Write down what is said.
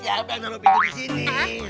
siapa yang nanggut pintu di sini